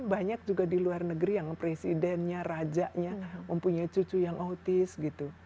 banyak juga di luar negeri yang presidennya rajanya mempunyai cucu yang autis gitu